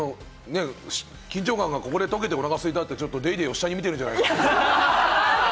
緊張感がここで解けて、おなかすいたって、ちょっと『ＤａｙＤａｙ．』を下に見てるんじゃないか？